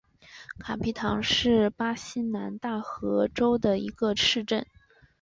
卡皮唐是巴西南大河州的一个市镇。